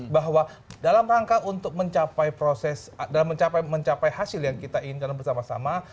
bahwa dalam rangka untuk mencapai proses dalam mencapai hasil yang kita inginkan bersama sama